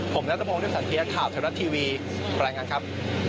ผมณัฐพงษ์ธิวสันเทียร์ถามธรรมดาทีวีบรรยายการครับ